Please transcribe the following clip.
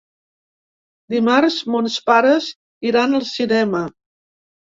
Dimarts mons pares iran al cinema.